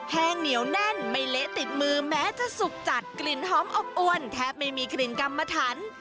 แห้งเหนียวแน่นไม่เละติดมือแม้จะสุกจัดกลิ่นหอมอบอวนแทบไม่มีกลิ่นกำมะถัน